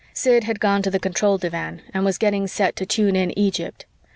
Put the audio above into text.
Sid had gone to the control divan and was getting set to tune in Egypt.